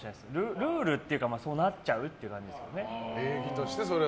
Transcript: ルールっていうかそうなっちゃうって感じですね。